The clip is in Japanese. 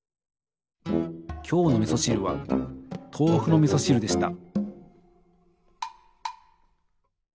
今日のみそしるはとうふのみそしるでした！